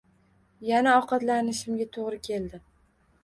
Yana ovqatlanishimga to‘g‘ri keldi